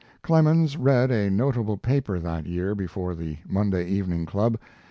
Clemens read a notable paper that year before the Monday Evening Club.